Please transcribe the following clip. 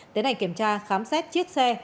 tiến hành kiểm tra khám xét chiếc xe